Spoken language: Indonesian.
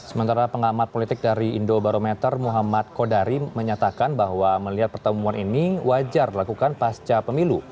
sementara pengamat politik dari indobarometer muhammad kodari menyatakan bahwa melihat pertemuan ini wajar dilakukan pasca pemilu